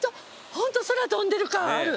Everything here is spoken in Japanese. ホント空飛んでる感ある。